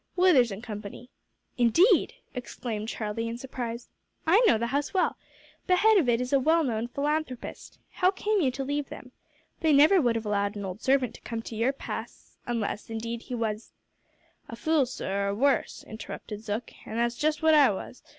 "Withers and Company." "Indeed!" exclaimed Charlie in surprise. "I know the house well. The head of it is a well known philanthropist. How came you to leave them? They never would have allowed an old servant to come to your pass unless, indeed, he was " "A fool, sir, or wuss," interrupted Zook; "an' that's just what I was.